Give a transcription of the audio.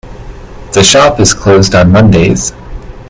The shop is closed on Mondays.